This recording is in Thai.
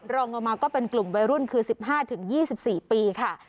รองลงมาก็เป็นกลุ่มวัยรุ่นคือ๑๕๒๔ปีค่ะ